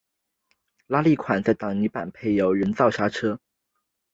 拉力款在挡泥板配有人造刹车通风孔。